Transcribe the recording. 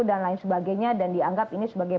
dan lain sebagainya dan dianggap ini sebagai